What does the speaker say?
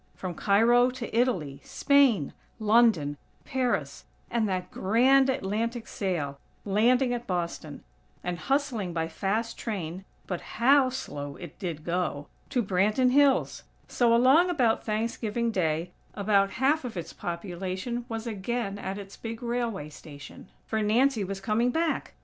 From Cairo to Italy, Spain, London, Paris, and that grand Atlantic sail, landing at Boston, and hustling by fast train (but how slow it did go!!) to Branton Hills! So, along about Thanksgiving Day, about half of its population was again at its big railway station, for Nancy was coming back.